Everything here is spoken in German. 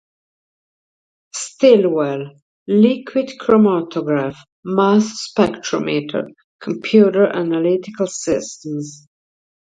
Stillwell: "Liquid chromatograph—mass spectrometer—computer analytical systems.